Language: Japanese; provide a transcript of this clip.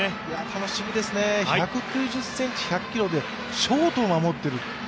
楽しみですね１９０ｃｍ１００ｋｇでショートを守ってる。